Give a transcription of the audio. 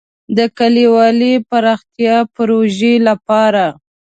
د کلیوالي پراختیا پروژې لپاره.